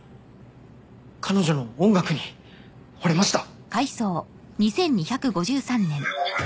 彼女の音楽にほれました。